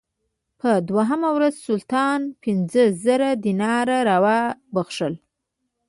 په دوهمه ورځ سلطان پنځه زره دیناره راوبخښل.